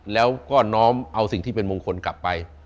แล้วก็น้อมเอาสิ่งที่เป็นมงคลกลับไป